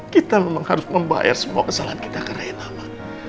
kita memang harus membayar semua kesalahan kita ke rena ma